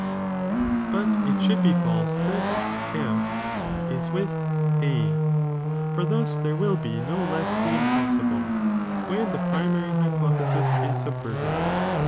but it should be false that F is with A, for thas there will be no less the impossible, when the primary hypo thesis is subverted.